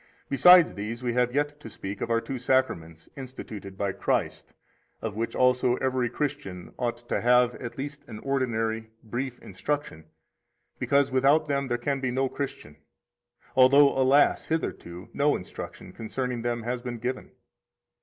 Besides these we have yet to speak of our two Sacraments instituted by Christ, of which also every Christian ought to have at least an ordinary, brief instruction, because without them there can be no Christian; although, alas! hitherto no instruction concerning them has been given.